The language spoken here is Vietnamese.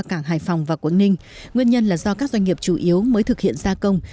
cảng hải phòng và quảng ninh nguyên nhân là do các doanh nghiệp chủ yếu mới thực hiện gia công